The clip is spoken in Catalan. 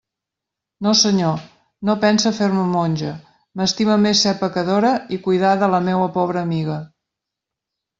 No senyor; no pense fer-me monja; m'estime més ser pecadora i cuidar de la meua pobra amiga.